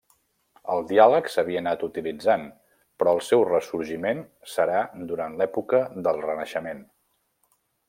El diàleg s'havia anat utilitzant però el seu ressorgiment serà durant l'època del Renaixement.